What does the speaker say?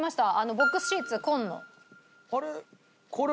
ボックスシーツよ紺の。